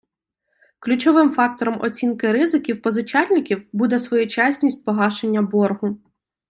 Ключовим фактором оцінки ризиків позичальників буде своєчасність погашення боргу.